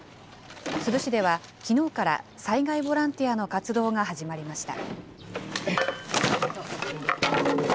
珠洲市ではきのうから災害ボランティアの活動が始まりました。